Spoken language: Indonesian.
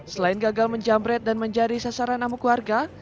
selain gagal menjamret dan menjadi sasaran amuk warga